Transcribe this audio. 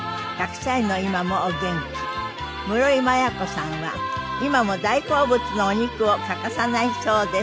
室井摩耶子さんは今も大好物のお肉を欠かさないそうです。